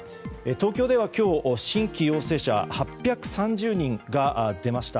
東京では今日、新規陽性者８３０人が出ました。